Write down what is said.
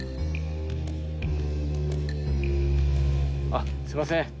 あっすいません。